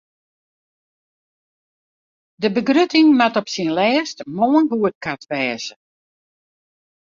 De begrutting moat op syn lêst moarn goedkard wêze.